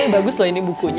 iya bagus loh ini bukunya